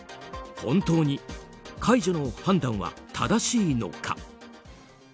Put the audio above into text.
本当に解除の判断は正しいのか。